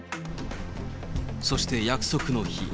そして約束の日。